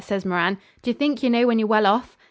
says Moran. 'D'ye think yer know when yer well off?'